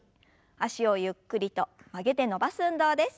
脚をゆっくりと曲げて伸ばす運動です。